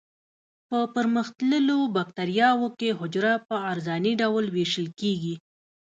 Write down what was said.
په پرمختللو بکټریاوو کې حجره په عرضاني ډول ویشل کیږي.